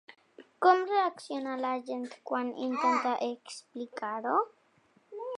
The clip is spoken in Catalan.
Com reacciona la gent quan intenta explicar-ho?